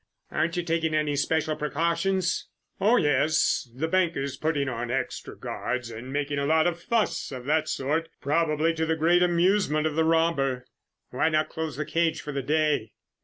"Aren't you taking any special precautions?" "Oh, yes, the bank is putting on extra guards and making a lot of fuss of that sort, probably to the great amusement of the robber." "Why not close the cage for the day?"